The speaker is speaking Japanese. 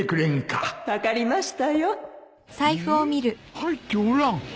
入っておらん！